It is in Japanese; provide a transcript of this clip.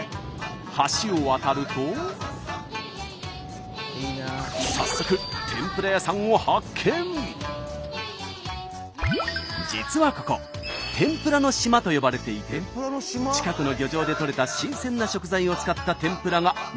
橋を渡ると早速実はここ「天ぷらの島」と呼ばれていて近くの漁場でとれた新鮮な食材を使った天ぷらが人気なんです。